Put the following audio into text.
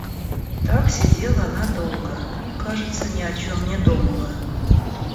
Так сидела она долго и, кажется, ни о чем не думала.